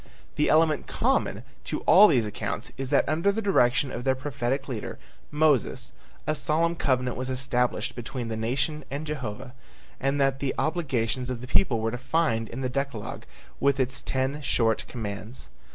The element common to all these accounts is that under the direction of their prophetic leader, Moses, a solemn covenant was established between the nation and Jehovah, and that the obligations of the people were defined in the decalogue with its ten short commands.